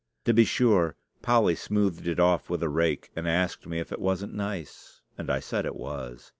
To be sure, Polly smoothed it off with a rake and asked me if it wasn't nice; and I said it was.